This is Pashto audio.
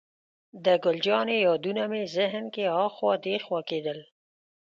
د ګل جانې یادونه مې ذهن کې اخوا دېخوا کېدل.